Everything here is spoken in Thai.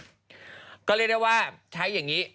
ก็เรียกได้ว่าใช้อย่างนี้